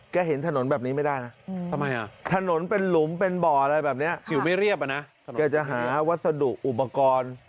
เค้าเห็นถนนแบบนี้ไม่ได้นะถนนเป็นหลุมเป็นบ่ออะไรแบบนี้คือจะหาวัสดุอุปกรณ์